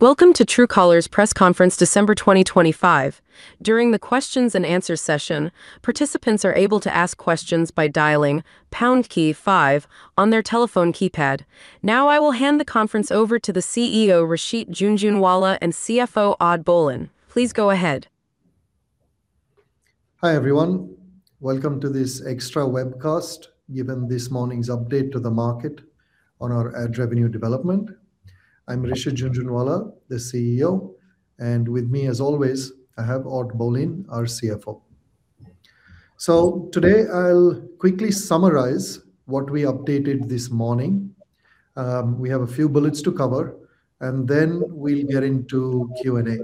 Welcome to Truecaller's Press Conference, December 2025. During the questions and answers session, participants are able to ask questions by dialing #5 on their telephone keypad. Now, I will hand the conference over to the CEO, Rishit Jhunjhunwala, and CFO, Odd Bolin. Please go ahead. Hi everyone, welcome to this extra webcast given this morning's update to the market on our ad revenue development. I'm Rishit Jhunjhunwala, the CEO, and with me, as always, I have Odd Bolin, our CFO. So today I'll quickly summarize what we updated this morning. We have a few bullets to cover, and then we'll get into Q&A.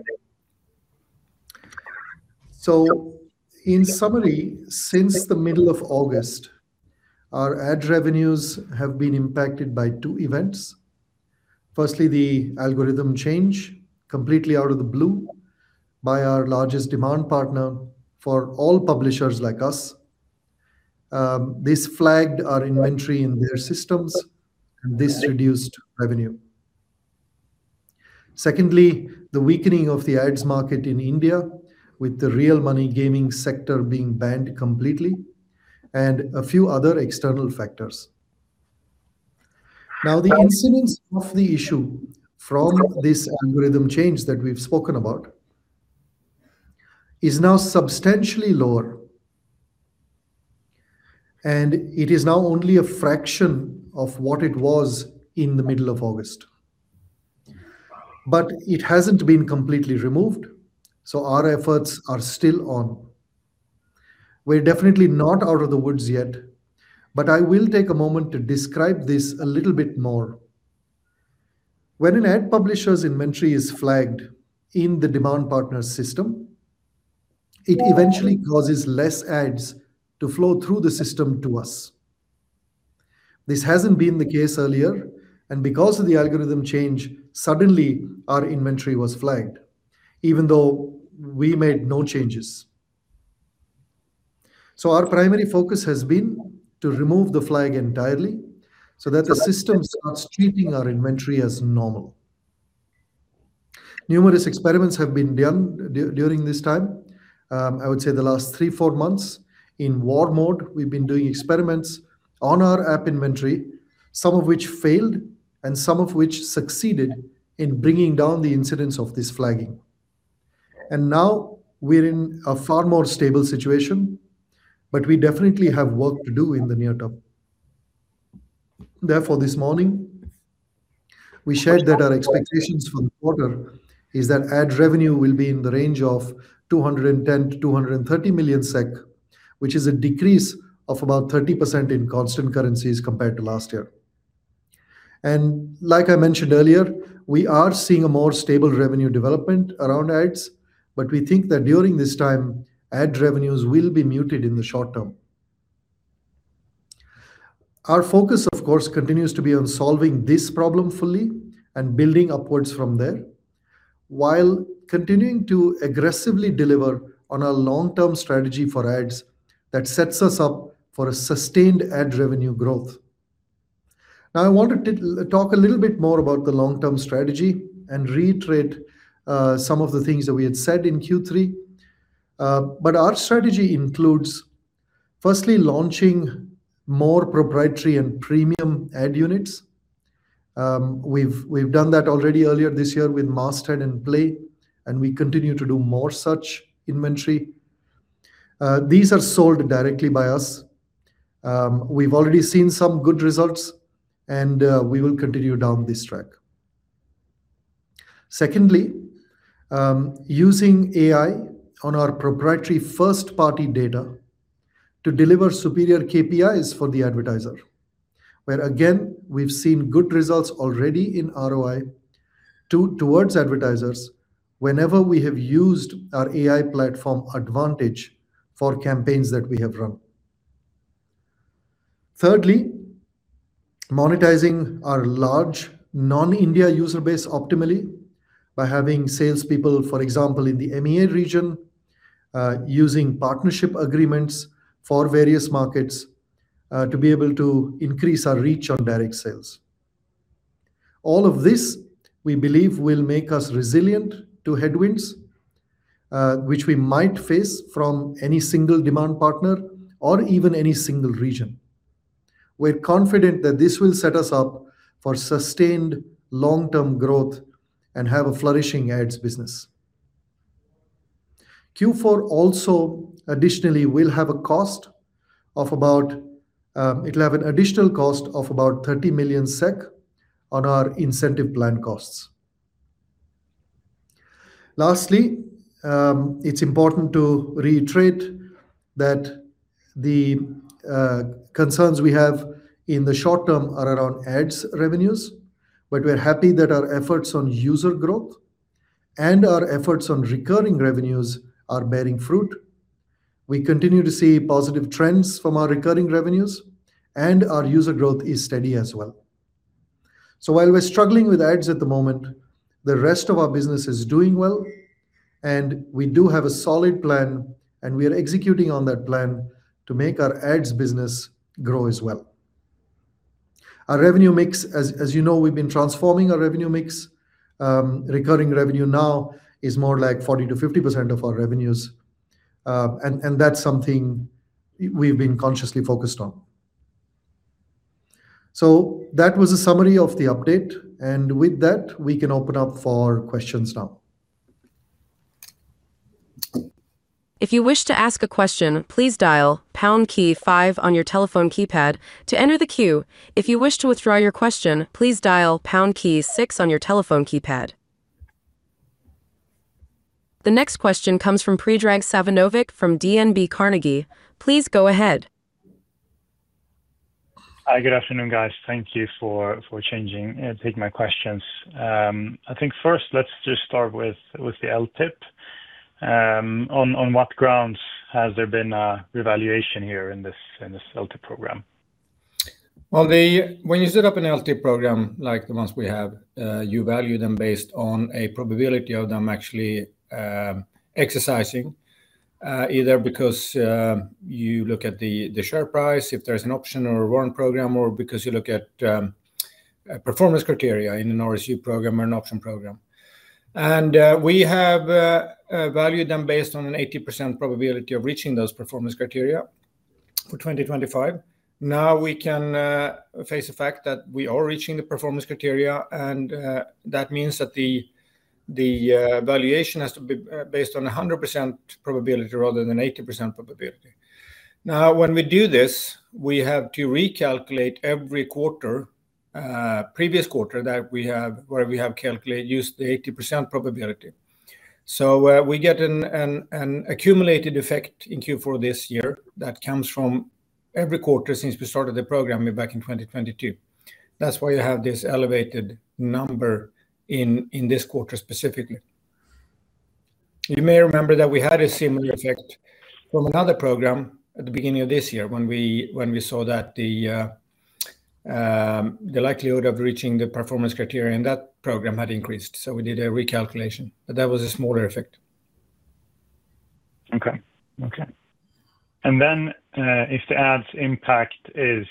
In summary, since the middle of August, our ad revenues have been impacted by two events. Firstly, the algorithm change, completely out of the blue, by our largest demand partner for all publishers like us. This flagged our inventory in their systems, and this reduced revenue. Secondly, the weakening of the ads market in India, with the real money gaming sector being banned completely, and a few other external factors. Now, the incidence of the issue from this algorithm change that we've spoken about is now substantially lower, and it is now only a fraction of what it was in the middle of August. But it hasn't been completely removed, so our efforts are still on. We're definitely not out of the woods yet, but I will take a moment to describe this a little bit more. When an ad publisher's inventory is flagged in the demand partner's system, it eventually causes less ads to flow through the system to us. This hasn't been the case earlier, and because of the algorithm change, suddenly our inventory was flagged, even though we made no changes. Our primary focus has been to remove the flag entirely so that the system starts treating our inventory as normal. Numerous experiments have been done during this time. I would say the last three, four months, in war mode, we've been doing experiments on our app inventory, some of which failed and some of which succeeded in bringing down the incidence of this flagging. And now we're in a far more stable situation, but we definitely have work to do in the near term. Therefore, this morning, we shared that our expectations for the quarter is that ad revenue will be in the range of 210 million to 230 million SEK, which is a decrease of about 30% in constant currencies compared to last year. And like I mentioned earlier, we are seeing a more stable revenue development around ads, but we think that during this time, ad revenues will be muted in the short term. Our focus, of course, continues to be on solving this problem fully and building upwards from there, while continuing to aggressively deliver on our long-term strategy for ads that sets us up for a sustained ad revenue growth. Now, I want to talk a little bit more about the long-term strategy and reiterate some of the things that we had said in Q3, but our strategy includes, firstly, launching more proprietary and premium ad units. We've done that already earlier this year with Masthead and Play, and we continue to do more such inventory. These are sold directly by us. We've already seen some good results, and we will continue down this track. Secondly, using AI on our proprietary first-party data to deliver superior KPIs for the advertiser, where, again, we've seen good results already in ROI towards advertisers whenever we have used our AI platform advantage for campaigns that we have run. Thirdly, monetizing our large non-India user base optimally by having salespeople, for example, in the MEA region, using partnership agreements for various markets to be able to increase our reach on direct sales. All of this, we believe, will make us resilient to headwinds which we might face from any single demand partner or even any single region. We're confident that this will set us up for sustained long-term growth and have a flourishing ads business. Q4 also, additionally, it'll have an additional cost of about 30 million SEK on our incentive plan costs. Lastly, it's important to reiterate that the concerns we have in the short term are around ads revenues, but we're happy that our efforts on user growth and our efforts on recurring revenues are bearing fruit. We continue to see positive trends from our recurring revenues, and our user growth is steady as well. So while we're struggling with ads at the moment, the rest of our business is doing well, and we do have a solid plan, and we are executing on that plan to make our ads business grow as well. Our revenue mix, as you know, we've been transforming our revenue mix. Recurring revenue now is more like 40%-50% of our revenues, and that's something we've been consciously focused on. So that was a summary of the update, and with that, we can open up for questions now. If you wish to ask a question, please dial #5 on your telephone keypad to enter the queue. If you wish to withdraw your question, please dial #6 on your telephone keypad. The next question comes from Predrag Savinovic from DNB Carnegie. Please go ahead. Hi, good afternoon, guys. Thank you for changing and taking my questions. I think first, let's just start with the LTIP. On what grounds has there been a revaluation here in this LTIP program? When you set up an LTIP program like the ones we have, you value them based on a probability of them actually exercising, either because you look at the share price, if there's an option or a warrant program, or because you look at performance criteria in an RSU program or an option program, and we have valued them based on an 80% probability of reaching those performance criteria for 2025. Now we can face the fact that we are reaching the performance criteria, and that means that the valuation has to be based on 100% probability rather than 80% probability. Now, when we do this, we have to recalculate every quarter, previous quarter that we have, where we have used the 80% probability, so we get an accumulated effect in Q4 this year that comes from every quarter since we started the program back in 2022. That's why you have this elevated number in this quarter specifically. You may remember that we had a similar effect from another program at the beginning of this year when we saw that the likelihood of reaching the performance criteria in that program had increased. We did a recalculation, but that was a smaller effect. Okay. And then if the ads impact is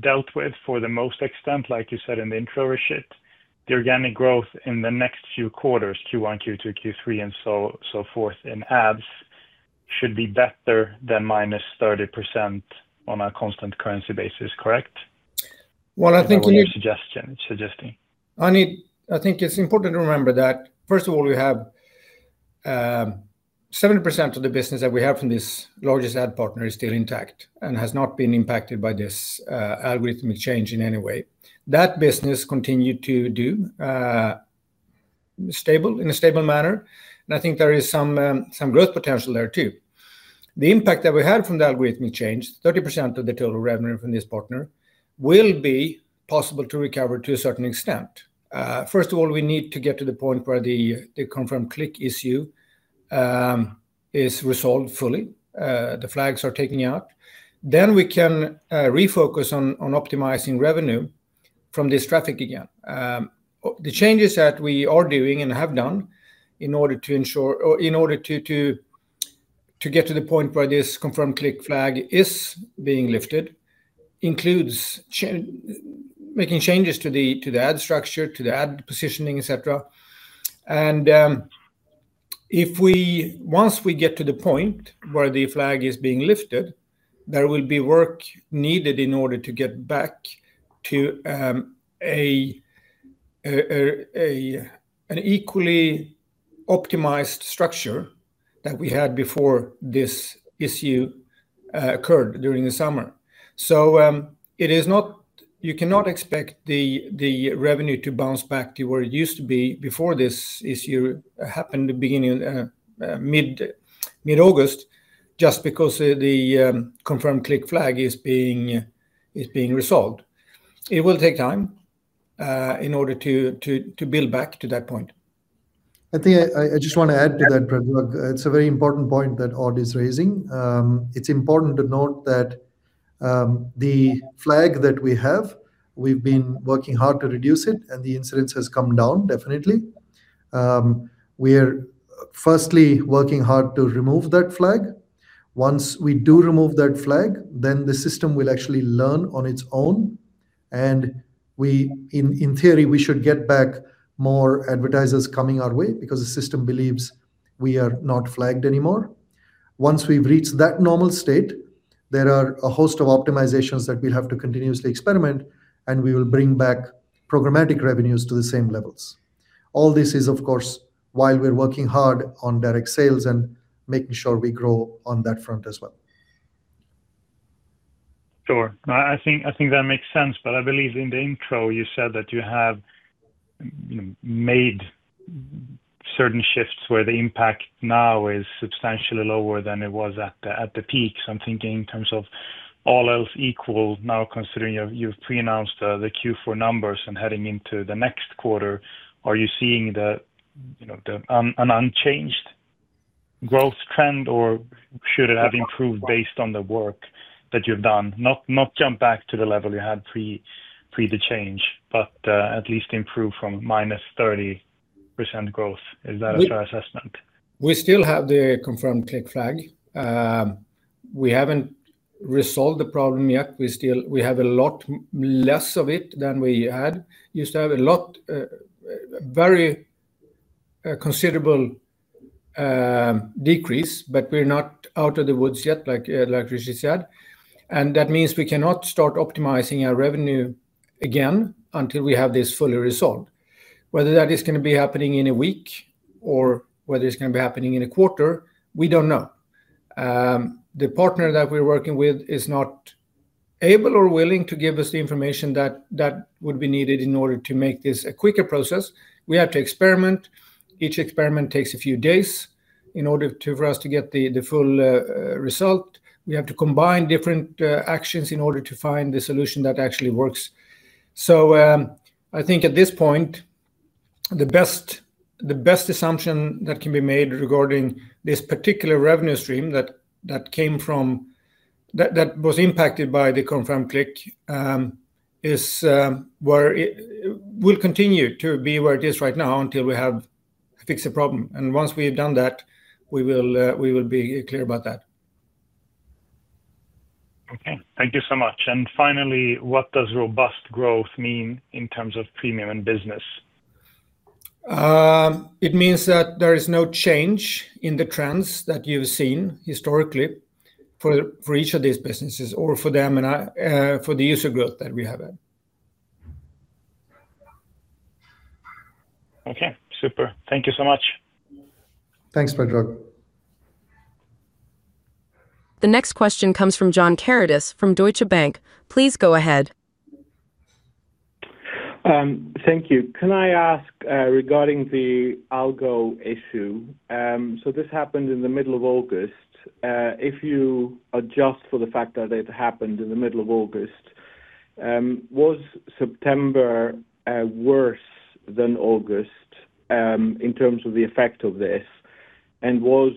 dealt with for the most extent, like you said in the intro, Rishit, the organic growth in the next few quarters, Q1, Q2, Q3, and so forth in ads, should be better than -30% on a constant currency basis, correct? Well, I think-- Or is that a suggestion? I think it's important to remember that, first of all, we have 70% of the business that we have from this largest ad partner is still intact and has not been impacted by this algorithmic change in any way. That business continued to do in a stable manner, and I think there is some growth potential there too. The impact that we had from the algorithmic change, 30% of the total revenue from this partner will be possible to recover to a certain extent. First of all, we need to get to the point where the Confirmed Click issue is resolved fully. The flags are taken out. Then we can refocus on optimizing revenue from this traffic again. The changes that we are doing and have done in order to ensure, or in order to get to the point where this Confirmed Click flag is being lifted, includes making changes to the ad structure, to the ad positioning, etc. And once we get to the point where the flag is being lifted, there will be work needed in order to get back to an equally optimized structure that we had before this issue occurred during the summer. You cannot expect the revenue to bounce back to where it used to be before this issue happened in mid-August just because the Confirmed Click flag is being resolved. It will take time in order to build back to that point. I think I just want to add to that, Predrag. It's a very important point that Odd is raising. It's important to note that the flag that we have, we've been working hard to reduce it, and the incidence has come down, definitely. We are firstly working hard to remove that flag. Once we do remove that flag, then the system will actually learn on its own, and in theory, we should get back more advertisers coming our way because the system believes we are not flagged anymore. Once we've reached that normal state, there are a host of optimizations that we'll have to continuously experiment, and we will bring back programmatic revenues to the same levels. All this is, of course, while we're working hard on direct sales and making sure we grow on that front as well. Sure. I think that makes sense, but I believe in the intro, you said that you have made certain shifts where the impact now is substantially lower than it was at the peak. I'm thinking in terms of all else equal, now considering you've pre-announced the Q4 numbers and heading into the next quarter, are you seeing an unchanged growth trend, or should it have improved based on the work that you've done? Not jump back to the level you had pre the change, but at least improve from -30% growth. Is that a fair assessment? We still have the Confirmed Click flag. We haven't resolved the problem yet. We have a lot less of it than we had. We used to have a lot of very considerable decrease, but we're not out of the woods yet, like Rishit said, and that means we cannot start optimizing our revenue again until we have this fully resolved. Whether that is going to be happening in a week or whether it's going to be happening in a quarter, we don't know. The partner that we're working with is not able or willing to give us the information that would be needed in order to make this a quicker process. We have to experiment. Each experiment takes a few days for us to get the full result. We have to combine different actions in order to find the solution that actually works. I think at this point, the best assumption that can be made regarding this particular revenue stream that was impacted by the Confirmed Click will continue to be where it is right now until we have fixed the problem. Once we have done that, we will be clear about that. Okay. Thank you so much. And finally, what does robust growth mean in terms of premium and business? It means that there is no change in the trends that you've seen historically for each of these businesses or for them and for the user growth that we have had. Okay. Super. Thank you so much. Thanks, Predrag. The next question comes from John Karidis from Deutsche Bank. Please go ahead. Thank you. Can I ask regarding the algo issue? So this happened in the middle of August. If you adjust for the fact that it happened in the middle of August, was September worse than August in terms of the effect of this? And was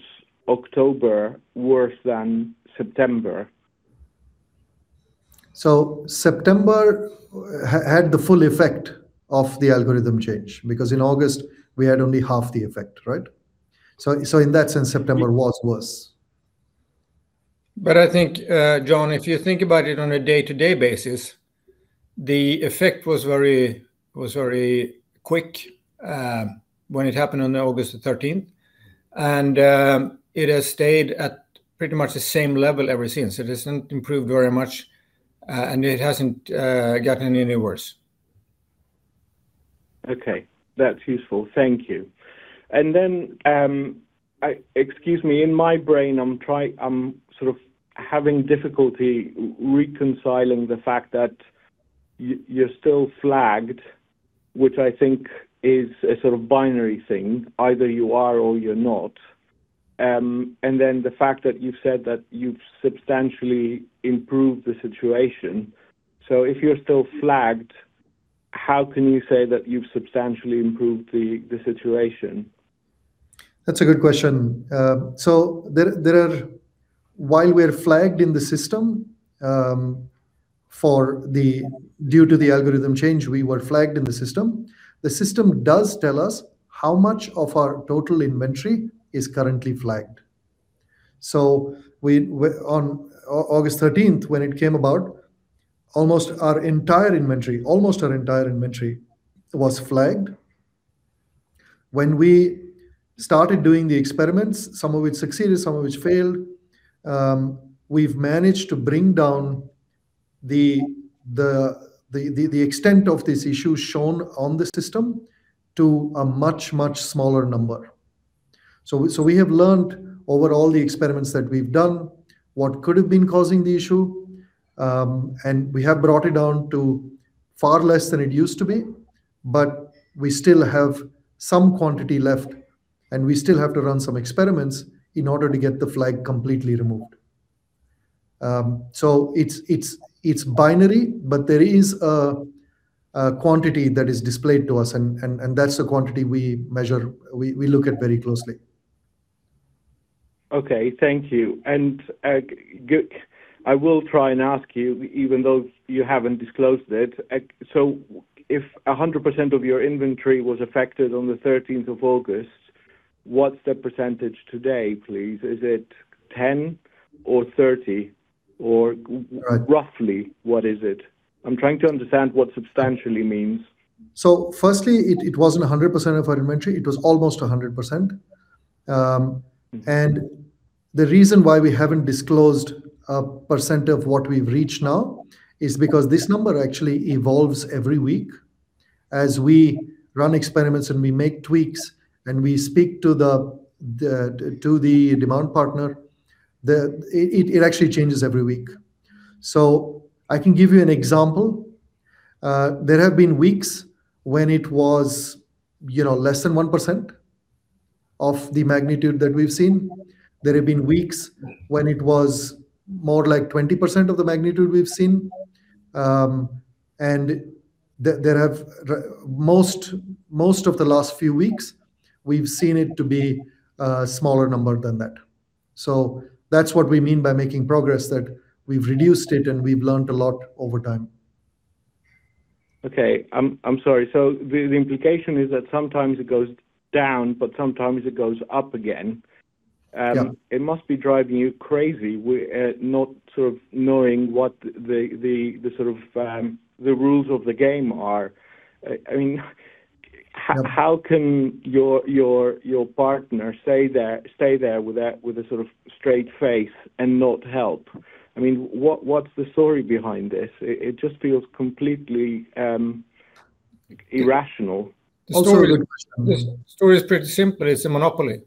October worse than September? September had the full effect of the algorithm change because in August, we had only half the effect, right? So in that sense, September was worse. But I think, John, if you think about it on a day-to-day basis, the effect was very quick when it happened on August the 13th, and it has stayed at pretty much the same level ever since. It hasn't improved very much, and it hasn't gotten any worse. Okay. That's useful. Thank you. And then, excuse me, in my brain, I'm sort of having difficulty reconciling the fact that you're still flagged, which I think is a sort of binary thing. Either you are or you're not. And then the fact that you've said that you've substantially improved the situation. So if you're still flagged, how can you say that you've substantially improved the situation? That's a good question. So while we're flagged in the system due to the algorithm change, we were flagged in the system. The system does tell us how much of our total inventory is currently flagged. So on August 13th, when it came about, almost our entire inventory, almost our entire inventory was flagged. When we started doing the experiments, some of which succeeded, some of which failed, we've managed to bring down the extent of this issue shown on the system to a much, much smaller number. We have learned over all the experiments that we've done what could have been causing the issue, and we have brought it down to far less than it used to be, but we still have some quantity left, and we still have to run some experiments in order to get the flag completely removed. So it's binary, but there is a quantity that is displayed to us, and that's the quantity we measure, we look at very closely. Okay. Thank you. And I will try and ask you, even though you haven't disclosed it, so if 100% of your inventory was affected on the 13th of August, what's the percentage today, please? Is it 10% or 30%, or roughly what is it? I'm trying to understand what substantially means. Firstly, it wasn't 100% of our inventory. It was almost 100%. The reason why we haven't disclosed a percent of what we've reached now is because this number actually evolves every week as we run experiments and we make tweaks and we speak to the demand partner. It actually changes every week. I can give you an example. There have been weeks when it was less than 1% of the magnitude that we've seen. There have been weeks when it was more like 20% of the magnitude we've seen. Most of the last few weeks, we've seen it to be a smaller number than that. That's what we mean by making progress, that we've reduced it and we've learned a lot over time. Okay. I'm sorry. The implication is that sometimes it goes down, but sometimes it goes up again. It must be driving you crazy, not sort of knowing what the sort of rules of the game are. I mean, how can your partner stay there with a sort of straight face and not help? I mean, what's the story behind this? It just feels completely irrational. The story is pretty simple. It's a monopoly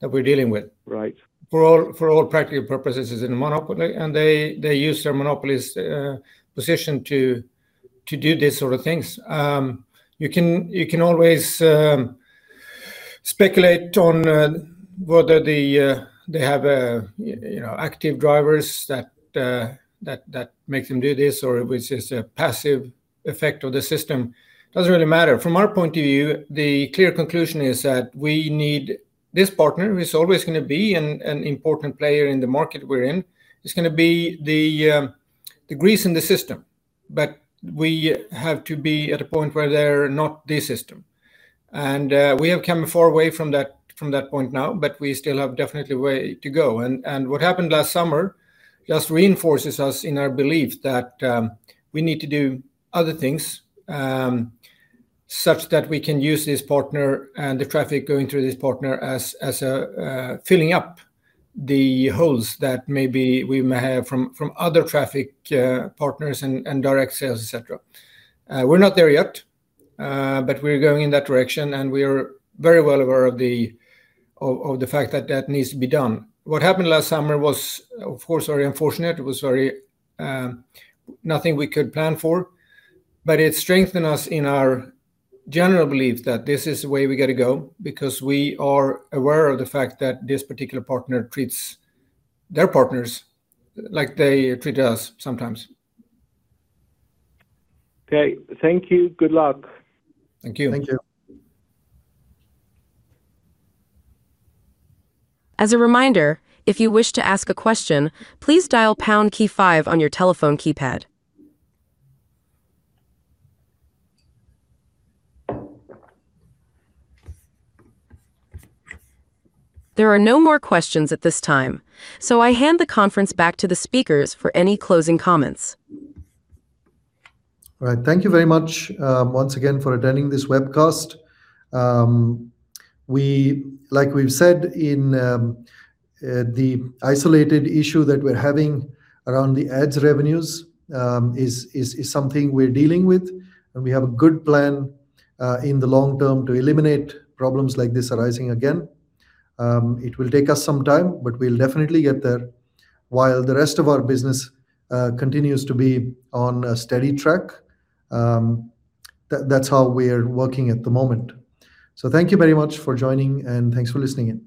that we're dealing with. Right. For all practical purposes, it's a monopoly, and they use their monopoly position to do this sort of thing. You can always speculate on whether they have active drivers that make them do this or it was just a passive effect of the system. It doesn't really matter. From our point of view, the clear conclusion is that we need this partner. It's always going to be an important player in the market we're in. It's going to be the grease in the system, but we have to be at a point where they're not the system. And we have come far away from that point now, but we still have definitely a way to go. What happened last summer just reinforces us in our belief that we need to do other things such that we can use this partner and the traffic going through this partner as filling up the holes that maybe we may have from other traffic partners and direct sales, etc. We're not there yet, but we're going in that direction, and we are very well aware of the fact that that needs to be done. What happened last summer was, of course, very unfortunate. It was nothing we could plan for, but it strengthened us in our general belief that this is the way we got to go because we are aware of the fact that this particular partner treats their partners like they treat us sometimes. Okay. Thank you. Good luck. Thank you. Thank you. As a reminder, if you wish to ask a question, please dial pound key five on your telephone keypad. There are no more questions at this time, so I hand the conference back to the speakers for any closing comments. All right. Thank you very much once again for attending this webcast. Like we've said, the isolated issue that we're having around the ads revenues is something we're dealing with, and we have a good plan in the long term to eliminate problems like this arising again. It will take us some time, but we'll definitely get there while the rest of our business continues to be on a steady track. That's how we're working at the moment. Thank you very much for joining, and thanks for listening.